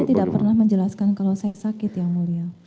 saya tidak pernah menjelaskan kalau saya sakit yang mulia